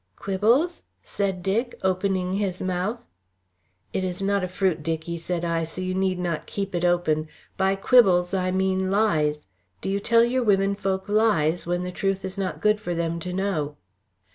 "Quibbles?" said Dick, opening his mouth. "It is not a fruit, Dicky," said I, "so you need not keep it open. By quibbles I mean lies. Do you tell your womenfolk lies, when the truth is not good for them to know?"